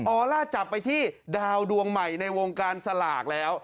อลล่าจับไปที่ดาวดวงใหม่ในวงการสลากแล้ว